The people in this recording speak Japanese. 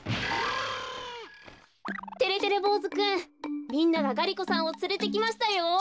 てれてれぼうずくんみんながガリ子さんをつれてきましたよ。